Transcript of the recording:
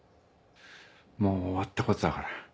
もう終わったことだから。